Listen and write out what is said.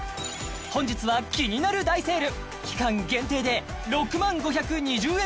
本日はキニナル大セール期間限定で６０５２０円